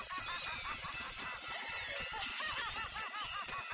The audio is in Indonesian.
masih jauh kematian